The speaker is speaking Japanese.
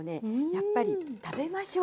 やっぱり食べましょう。